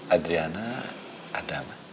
adriana ada ma